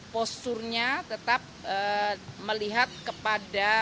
posturnya tetap melihat kepada